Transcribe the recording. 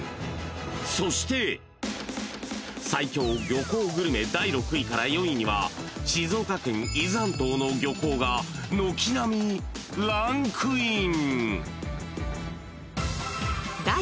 ［そして最強漁港グルメ第６位から４位には静岡県伊豆半島の漁港が軒並みランクイン］